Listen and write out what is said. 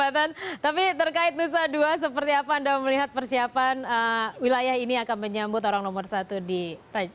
tapi terkait nusa dua seperti apa anda melihat persiapan wilayah ini akan menyambut orang nomor satu di perancis